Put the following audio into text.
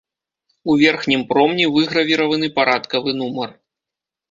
У верхнім промні выгравіраваны парадкавы нумар.